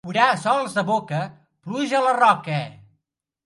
Orar sols de boca, pluja a la roca.